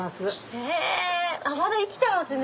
へぇまだ生きてますね。